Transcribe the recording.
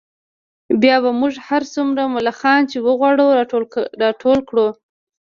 بیا به موږ هر څومره ملخان چې وغواړو راټول کړو